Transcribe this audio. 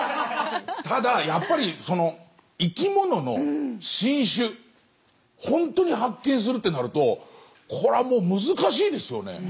ただやっぱりその生きものの新種ホントに発見するとなるとこれはもう難しいですよね。